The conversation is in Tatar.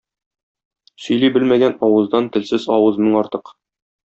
Сөйли белмәгән авыздан телсез авыз мең артык.